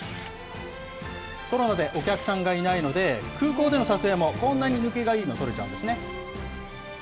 コロナでお客さんがいないので、空港での撮影もこんなに抜けがいいの撮れちゃうんですね。